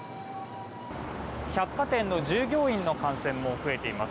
百貨店の従業員の感染も増えています。